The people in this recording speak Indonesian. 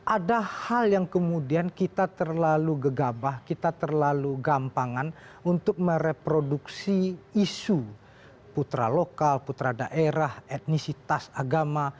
ada hal yang kemudian kita terlalu gegabah kita terlalu gampangan untuk mereproduksi isu putra lokal putra daerah etnisitas agama